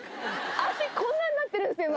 足こんなんなってるんですけど、今。